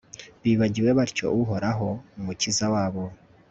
bibagiwe batyo uhoraho, umukiza wabo